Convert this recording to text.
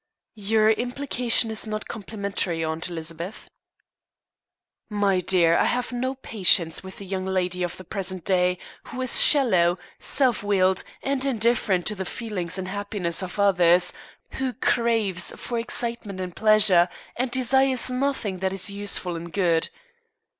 "Your implication is not complimentary, Aunt Elizabeth." "My dear, I have no patience with the young lady of the present day, who is shallow, self willed, and indifferent to the feelings and happiness of others, who craves for excitement and pleasure, and desires nothing that is useful and good.